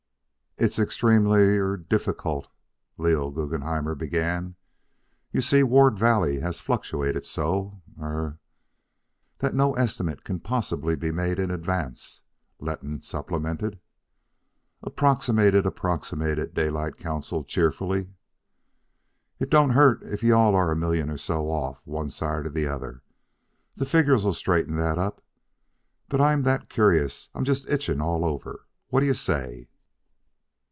"It is extremely er difficult," Leon Guggenhammer began. "You see, Ward Valley has fluctuated so, er " "That no estimate can possibly be made in advance," Letton supplemented. "Approximate it, approximate it," Daylight counselled cheerfully. "It don't hurt if you all are a million or so out one side or the other. The figures'll straighten that up. But I'm that curious I'm just itching all over. What d'ye say?"